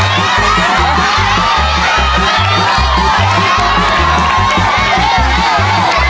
เยี่ยม